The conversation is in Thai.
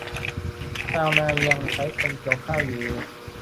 ชาวนายังใช้คนเกี่ยวข้าวอยู่